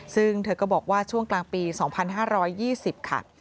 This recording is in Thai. ซึ่งเธอก็บอกว่าช่วงกลางปี๒๕๒๐ค่ะ